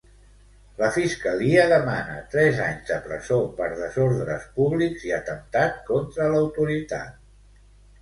La Fiscalia demana tres anys de presó per desordres públics i atemptat contra l'autoritat.